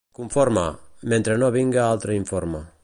Conforme, mentre no vinga altre informe.